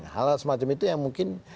hal hal semacam itu yang mungkin